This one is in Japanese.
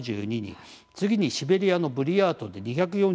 次にシベリアのブリヤートで２４６人。